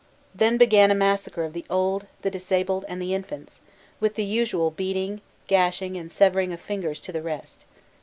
Then began a massacre of the old, the disabled, and the infants, with the usual beating, gashing, and severing of fingers to the rest.